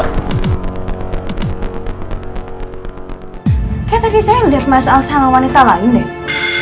kayak tadi saya ngeliat mas alshara sama wanita lain deh